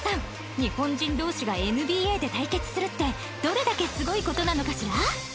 日本人同士がＮＢＡで対決するってどれだけすごい事なのかしら？